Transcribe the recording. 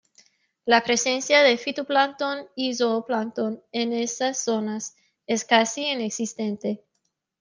La presencia de fitoplancton y zooplancton en estas zonas es casi inexistente.